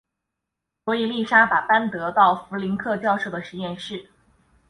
所以丽莎把班德到弗林克教授的实验室。